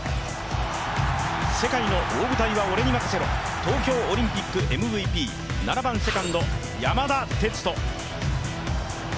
世界の大舞台は俺に任せろ東京オリンピックＭＶＰ、７番セカンド・山田哲人。